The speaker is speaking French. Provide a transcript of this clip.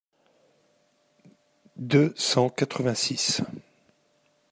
deux cent quatre-vingt-six.